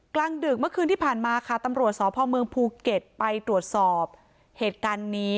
กลางดึกเมื่อคืนที่ผ่านมาค่ะตำรวจสพเมืองภูเก็ตไปตรวจสอบเหตุการณ์นี้